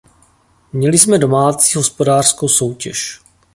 Měli jsme domácí hospodářskou soutěž.